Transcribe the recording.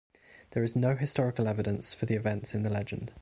There is no historical evidence for the events in the legend.